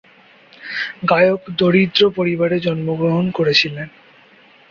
গায়ক দরিদ্র পরিবারে জন্মগ্রহণ করেছিলেন।